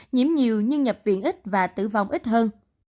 nhiễm nhiều nhưng nhập viện ít và tử vong ít hơn